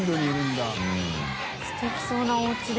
すてきそうなおうちで。